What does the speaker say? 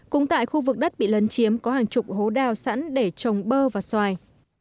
cũng tại khu vực đất bị lấn chiếm có hàng chục hố đào sẵn để trồng bơ và xoài